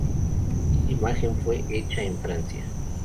Dicha imagen fue hecha en Francia.